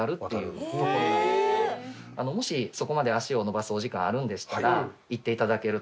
もしそこまで足を延ばすお時間あるんでしたら行っていただけると。